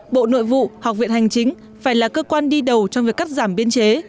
bộ nội vụ học viện hành chính phải là cơ quan đi đầu trong việc cắt giảm biên chế